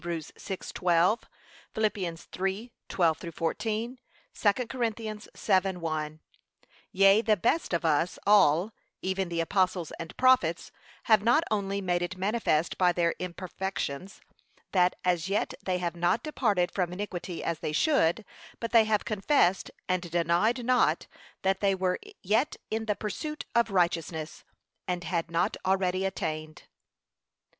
6:12; Phil. 3:12 14; 2 Cor. 7:1) Yea, the best of us all, even the apostles and prophets, have not only made it manifest by their imperfections, that as yet they have not departed from iniquity as they should; but they have confessed, and denied not, that they were yet in the pursuit of righteousness, and had not already attained.